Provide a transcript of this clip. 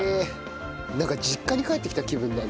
なんか実家に帰ってきた気分になる。